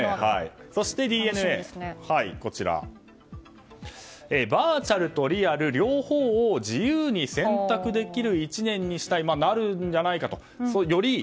そして、ＤｅＮＡはバーチャルとリアル両方を自由に選択できる１年にしたいなるんじゃないかと。